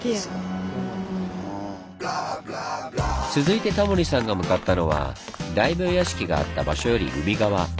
続いてタモリさんが向かったのは大名屋敷があった場所より海側。